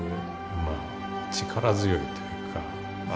まあ力強いというか